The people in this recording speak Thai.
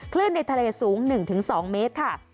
คลื่นในทะเลสูง๑๒เมตรค่ะ